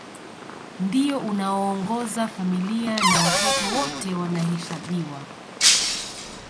Ndio unaoongoza familia na watoto wote wanahesabiwa